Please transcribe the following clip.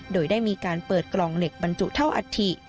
โดยได้มีการเปิดกล่องเหล็กบรรจุเท่าอัฐิ